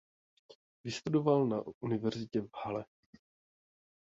Vystudoval na univerzitě v Halle.